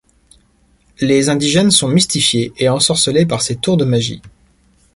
Les indigènes sont mystifiés et ensorcelés par ses tours de magie.